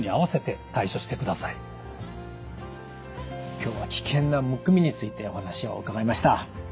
今日は危険なむくみについてお話を伺いました。